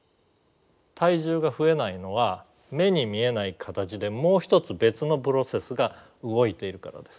体重が増えないのは目に見えない形でもう一つ別のプロセスが動いているからです。